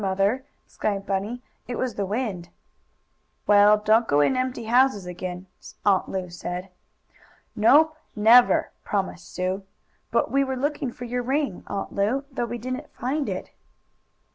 Mother," explained Bunny. "It was the wind." "Well, don't go in empty houses again," Aunt Lu said. "Nope never!" promised Sue, "But we were looking for your ring, Aunt Lu, though we didn't find it."